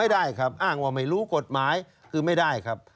ได้ครับอ้างว่าไม่รู้กฎหมายคือไม่ได้ครับ